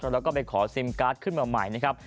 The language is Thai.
แล้วก็ไปขอซิมการ์ดขึ้นมาใหม่นะครับ